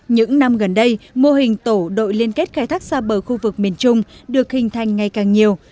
những năm gần đây mô hình tổ đội liên kết khai thác xa bờ khu vực miền trung được hình thành ngày càng nhiều